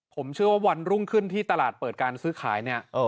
ผมเชื่อว่าวันรุ่งขึ้นที่ตลาดเปิดการซื้อขายเนี่ย